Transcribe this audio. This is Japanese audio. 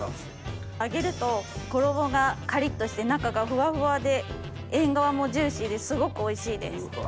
揚げると衣がカリっとして中がフワフワでエンガワもジューシーですごくおいしいです。